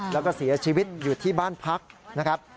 แล้วก็เสียชีวิตอยู่ที่บ้านพักนะครับ